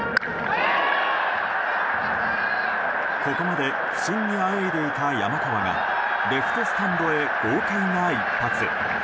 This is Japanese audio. ここまで不振にあえいでいた山川がレフトスタンドへ豪快な一発。